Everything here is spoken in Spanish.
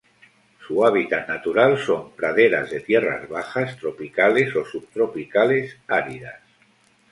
Su hábitat natural son praderas de tierras bajas tropicales o subtropicales áridas.